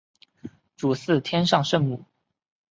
主祀天上圣母。